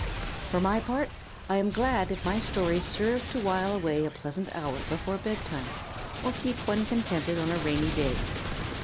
For my part I am glad if my stories serve to while away a pleasant hour before bedtime or keep one contented on a rainy day.